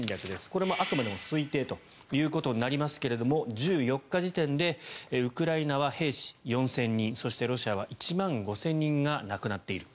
これもあくまでも推定ということになりますが１４日時点でウクライナは兵士４０００人そしてロシアは１万５０００人が亡くなっている。